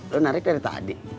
lu narik dari tadi